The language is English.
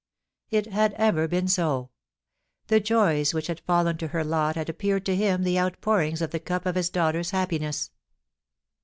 It had ever been so. The jojrs which had fallen to her lot had app)eared to him the outpourings of the cup of his daughter's happiness.